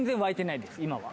今は。